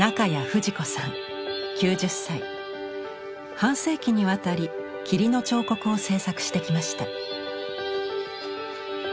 半世紀にわたり「霧の彫刻」を制作してきました。